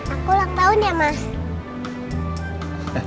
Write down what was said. aku ulang tahun ya mas